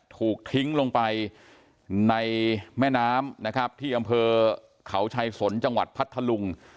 ถูกทิ้งลงไปในแม่น้ำนะครับที่อำเภอเขาชัยสนจังหวัดพัทธลุง